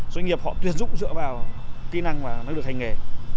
doanh nghiệp họ tuyển dụng dựa vào kỹ năng và năng lực hành nghề